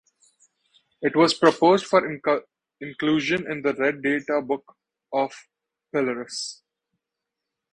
It was proposed for inclusion in the red data book of Belarus.